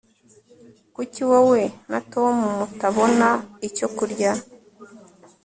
kuki wowe na tom mutabona icyo kurya